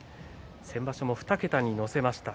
先場所、２桁に乗せました。